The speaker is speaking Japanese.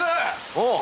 おう。